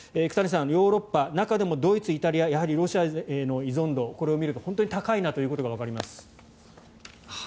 久谷さん、ヨーロッパ中でもドイツ、イタリアやはりロシアへの依存度これを見ると本当に高いなということがわかります。